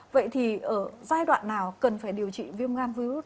vậy thì ở giai đoạn nào cần phải điều trị viêm gan viếu út b